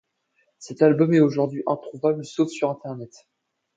Cet album est aujourd'hui introuvable, sauf sur Internet.